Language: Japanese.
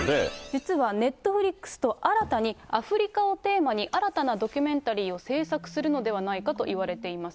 実はネットフリックスと新たにアフリカをテーマに、新たなドキュメンタリーを制作するのではないかといわれています。